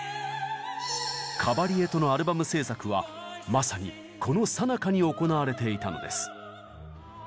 カバリエとのアルバム制作はまさにこのさなかに行われていたのです。